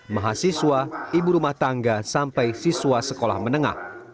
mahasiswa ibu rumah tangga sampai siswa sekolah menengah